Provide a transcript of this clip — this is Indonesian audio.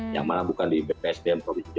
yang mana bukan di bpsdm provinsi jawa